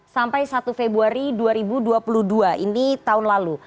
sampai satu februari dua ribu dua puluh dua ini tahun lalu